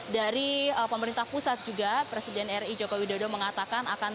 dari pemerintah pusat juga presiden ri joko widodo mengatakan akan